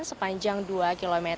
sepanjang dua km